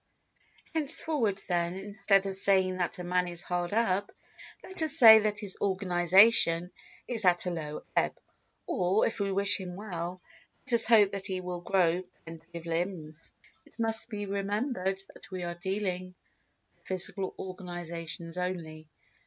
Henceforward, then, instead of saying that a man is hard up, let us say that his organisation is at a low ebb, or, if we wish him well, let us hope that he will grow plenty of limbs. It must be remembered that we are dealing with physical organisations only.